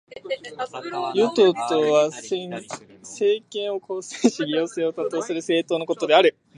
与党とは、政権を構成し行政を担当する政党のことである。